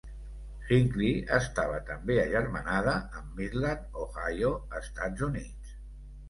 Hinckley està també agermanada amb Midland, Ohio, Estats Units.